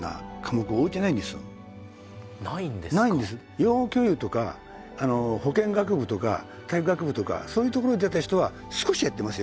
養護教諭とか保健学部とか体育学部とかそういうところ出た人は少しやってますよ。